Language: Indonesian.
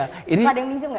bukan ada yang minjem gak